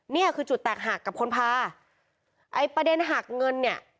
นี่คือจุดแตกหักกับคนพาไอ้ประเด็นหักเงินเนี่ย